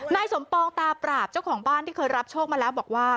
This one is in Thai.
นายสมปองตาปราบเจ้าของบ้านที่เคยรับโชคมาแล้วบอกว่า